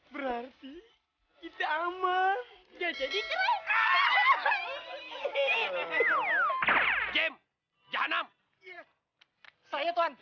berarti kita aman